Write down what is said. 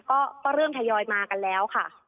ก็เริ่มทยอยมากันแล้วค่ะ